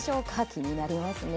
気になりますね。